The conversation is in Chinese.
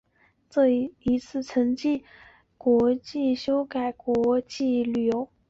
这一成绩最终促使国际泳联修改了国际游泳比赛中的计时规则。